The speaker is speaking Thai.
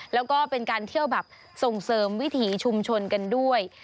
แล้วก็เป็นการเที่ยวแบบส่งเสริมวิถีชุมชนกันด้วย